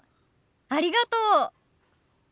ありがとう。